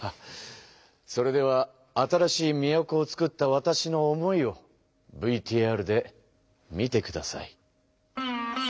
それでは新しい都をつくったわたしの思いをＶＴＲで見てください。